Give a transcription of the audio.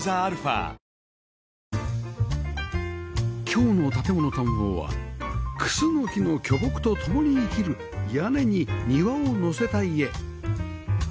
今日の『建もの探訪』はクスノキの巨木と共に生きる屋根に庭を載せた家